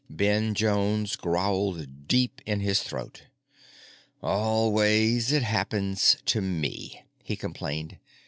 Ben Jones growled deep in his throat. "Always it happens to me!" he complained.